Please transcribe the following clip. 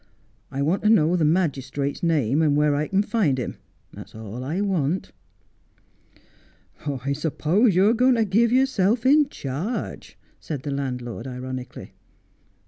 ' I want to know the magistrate's name, and where I can find him. That's all I want.' ' I suppose you are going to give yourself in charge,' said the landlord ironically.